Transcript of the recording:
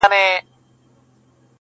چي ملا كړ ځان تيار د جگړې لور ته -